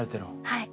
はい。